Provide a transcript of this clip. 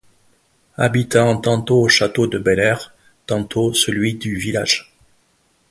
Habitant tantôt au château de Bel-Air, tantôt celui du village.